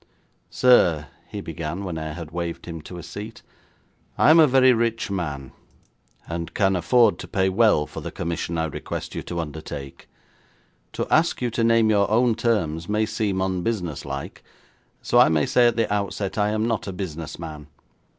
'Sir,' he began, when I had waved him to a seat, 'I am a very rich man, and can afford to pay well for the commission I request you to undertake. To ask you to name your own terms may seem unbusinesslike, so I may say at the outset I am not a business man.